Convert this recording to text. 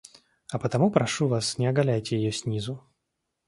А потому прошу вас, не оголяйте ее снизу.